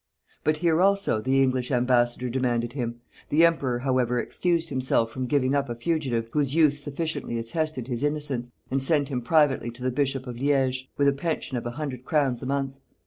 But here also the English embassador demanded him; the emperor however excused himself from giving up a fugitive whose youth sufficiently attested his innocence, and sent him privately to the bishop of Liege, with a pension of a hundred crowns a month.